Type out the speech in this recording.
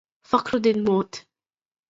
Fakhruddin Mohd.